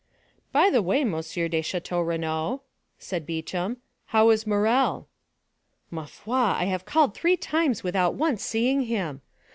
"By the way, M. de Château Renaud," asked Beauchamp, "how is Morrel?" "Ma foi, I have called three times without once seeing him.